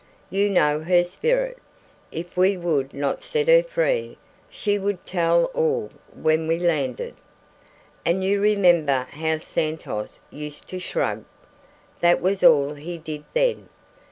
You know her spirit: if we would not set her free, she would tell all when we landed. And you remember how Santos used to shrug? That was all he did then.